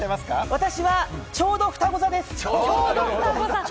私はちょうど、ふたご座です。